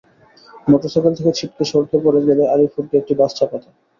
Motorcycle থেকে ছিটকে সড়কে পড়ে গেলে আরিফুরকে একটি বাস চাপা দেয়।